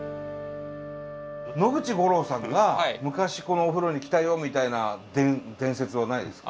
野口五郎さんが昔このお風呂に来たよみたいな伝説はないですか？